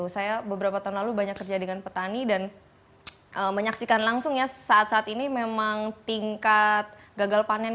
saya beberapa tahun lalu banyak kerja dengan petani dan menyaksikan langsung ya saat saat ini memang tingkat gagal panen